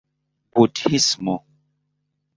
budhismo